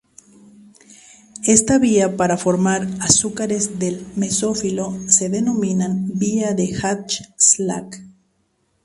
Esta vía para formar azúcares del mesófilo se denomina Vía de Hatch Slack.